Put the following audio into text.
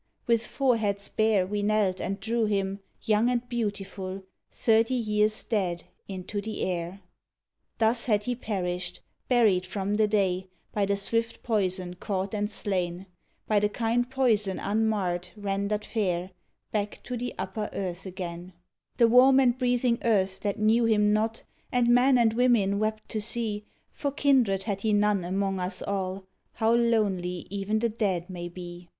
With foreheads bare, We knelt, and drew him, young and beautiful, Thirty years dead, into the air. Thus had he perished; buried from the day; By the swift poison caught and slain; By the kind poison unmarred, rendered fair Back to the upper earth again The warm and breathing earth that knew him not; And men and women wept to see For kindred had he none among us all How lonely even the dead may be.